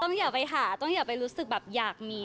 ต้องอย่าไปหาต้องไปรู้สึกแบบอยากมี